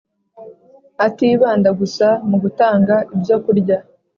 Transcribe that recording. atibanda gusa mu gutanga ibyo kurya;